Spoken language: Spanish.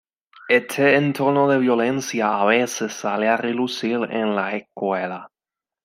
Este entorno de violencia a veces sale a relucir en la escuela.